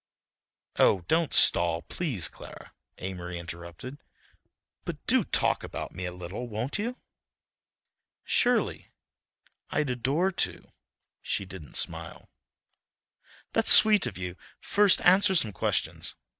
"Oh, don't stall, please, Clara," Amory interrupted; "but do talk about me a little, won't you?" "Surely, I'd adore to." She didn't smile. "That's sweet of you. First answer some questions.